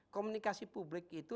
komunikasi publik itu